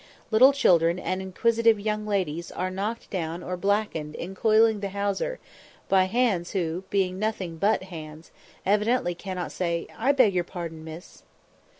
Little children and inquisitive young ladies are knocked down or blackened in coiling the hawser, by "hands" who, being nothing but hands, evidently cannot say, "I beg your pardon, miss."